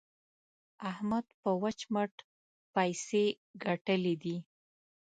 احمد په وچ مټ پيسې ګټلې دي.